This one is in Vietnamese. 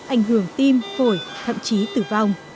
ảnh hưởng tim phổi thậm chí tử vong